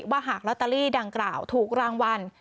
หากลอตเตอรี่ดังกล่าวถูกรางวัล